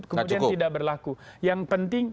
kemudian tidak berlaku yang penting